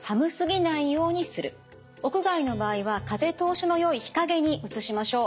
屋外の場合は風通しのよい日陰に移しましょう。